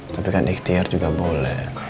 tapi kan ikhtiar juga boleh